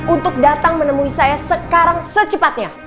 untuk datang menemui saya sekarang secepatnya